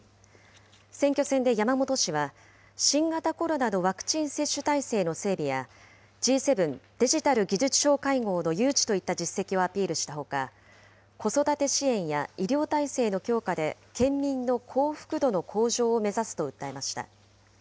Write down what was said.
選挙戦で山本氏は、新型コロナのワクチン接種体制の整備や、Ｇ７デジタル・技術相会合の誘致といった実績をアピールしたほか、子育て支援や医療体制の強化で県民の幸福度の向上を目指すと訴えました。